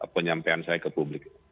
penyampaian saya ke publik